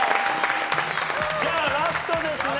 じゃあラストですね。